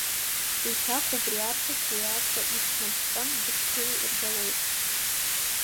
Еиҭах убри арԥыс уи аҵла иҽнадҵан дышгылоу рбалоит.